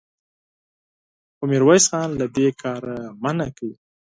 خو ميرويس خان له دې کاره منع کړ.